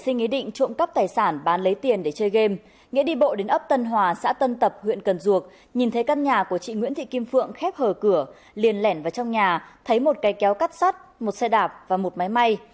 nghĩa đi bộ đến ấp tân hòa xã tân tập huyện cần duộc nhìn thấy căn nhà của chị nguyễn thị kim phượng khép hờ cửa liền lẻn vào trong nhà thấy một cây kéo cắt sắt một xe đạp và một máy may